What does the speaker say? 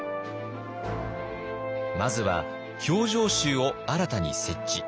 まずは「評定衆」を新たに設置。